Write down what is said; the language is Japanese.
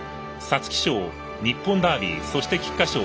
皐月賞、日本ダービーそして、菊花賞